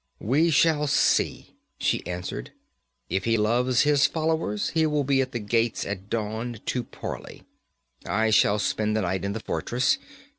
'We shall see,' she answered. 'If he loves his followers, he will be at the gates at dawn, to parley. I shall spend the night in the fortress.